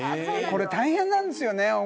大変なんですよ。